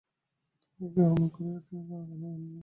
তোমাকে কেহ অপমান করিলে তিনি কানেই আনেন না।